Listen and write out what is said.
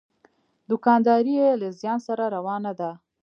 دوکانداري یې له زیان سره روانه ده.